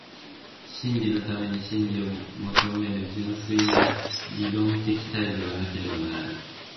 真理のために真理を究める純粋な理論的態度がなければならぬ。